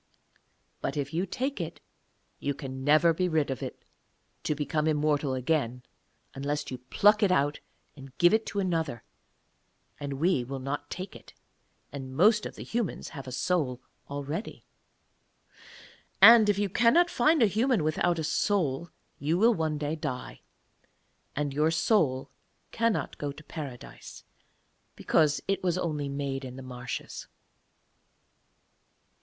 But if you take it you can never be rid of it to become immortal again unless you pluck it out and give it to another; and we will not take it, and most of the humans have a soul already. And if you cannot find a human without a soul you will one day die, and your soul cannot go to Paradise, because it was only made in the marshes.'